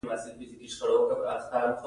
هر تولیدونکی له بل تولیدونکي څخه جلا تولید کوي